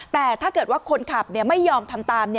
แต่ถ้าเกิดว่าคนขับไม่ยอมทำตาม